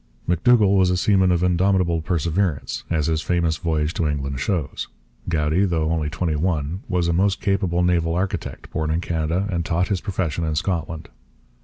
M'Dougall was a seaman of indomitable perseverance, as his famous voyage to England shows. Goudie, though only twenty one, was a most capable naval architect, born in Canada and taught his profession in Scotland.